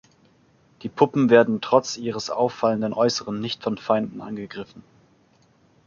Die Puppen werden trotz ihres auffallenden Äußeren nicht von Feinden angegriffen.